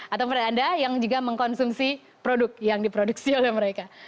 atau pada anda yang juga mengkonsumsi produk yang diproduksi oleh mereka